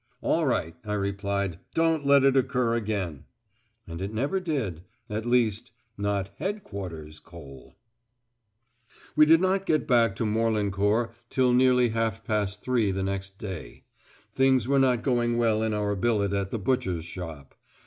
"All right," I replied. "Don't let it occur again." And it never did at least, not headquarters coal. We did not get back to Morlancourt till nearly half past three the next day. Things were not going well in our billet at the butcher's shop.